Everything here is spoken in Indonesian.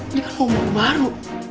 ini kan mau kemaru